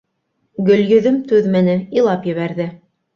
Гөлйөҙөм түҙмәне, илап ебәрҙе.